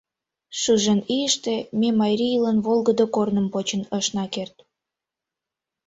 Шужен ийыште ме марийлан волгыдо корным почын ышна керт.